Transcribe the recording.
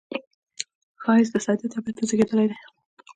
ښایست له ساده طبعیته زیږېدلی دی